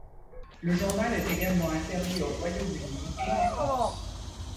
Le journal est également interdit au Royaume-Uni et en France.